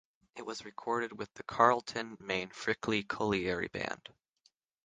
It was recorded with the Carlton Main Frickley Colliery Band.